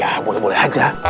ya boleh boleh aja